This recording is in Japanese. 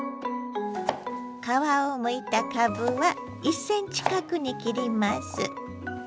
皮をむいたかぶは１ｃｍ角に切ります。